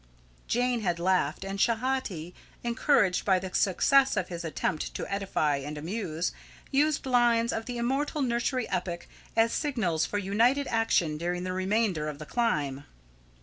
Jane had laughed; and Schehati, encouraged by the success of his attempt to edify and amuse, used lines of the immortal nursery epic as signals for united action during the remainder of the climb.